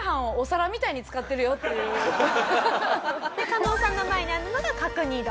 加納さんの前にあるのが角煮丼。